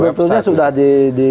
sebetulnya sudah di